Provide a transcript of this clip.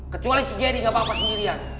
kecuali si gary gak apa apa sendirian